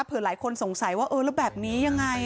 หลายคนสงสัยว่าเออแล้วแบบนี้ยังไง